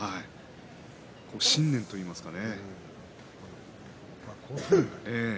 信念といいますか。